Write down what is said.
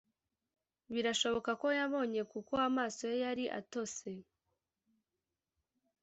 birashoboka ko yabonye - kuko amaso ye yari atose -